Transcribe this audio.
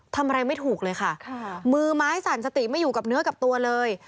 ทำอะไรไม่ถูกเลยค่ะมือไม้สั่นสติไม่อยู่กับเนื้อกับตัวเลย